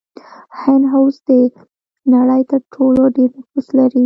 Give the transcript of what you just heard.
هند اوس د نړۍ تر ټولو ډیر نفوس لري.